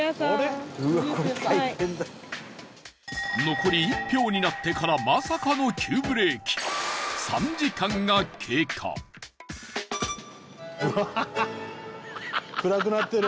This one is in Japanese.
残り１票になってからまさかの急ブレーキ３時間が経過富澤：暗くなってる！